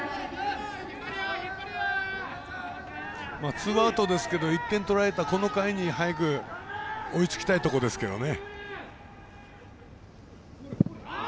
ツーアウトですけれど１点取られたこの回に早く追いつきたいところですけどね。